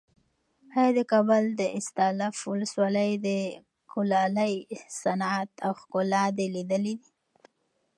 ایا د کابل د استالف ولسوالۍ د کلالۍ صنعت او ښکلا دې لیدلې؟